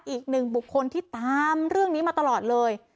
อีกหนึ่งบุคคลที่ตามเรื่องนี้มาตลอดเลย